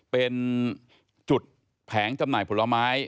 เป็นจุดแผงจำหน่ายผลไม้